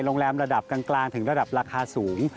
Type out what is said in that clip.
โรงแรมระดับกลางถึงระดับราคาสูง